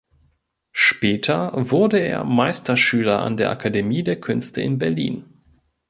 Später wurde er Meisterschüler an der Akademie der Künste in Berlin.